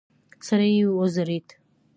سر یې وځړېد.